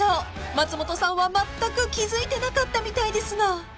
［松本さんはまったく気付いてなかったみたいですが］